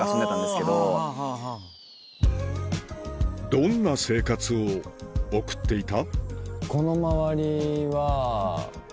どんな生活を送っていた？